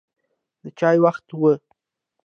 د چای وخت و.